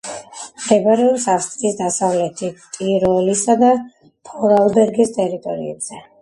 მდებარეობს ავსტრიის დასავლეთით, ტიროლისა და ფორარლბერგის ტერიტორიებზე.